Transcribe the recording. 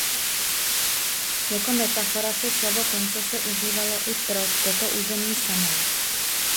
Jako metafora se slovo koncese užívalo i pro toto území samé.